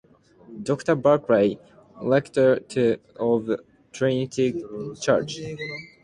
Doctor Barclay, Rector of Trinity Church.